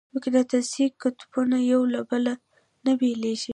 مقناطیسي قطبونه یو له بله نه بېلېږي.